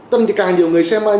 càng nhiều người xem